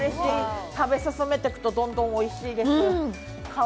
食べ進めていくとどんどんおいしいです。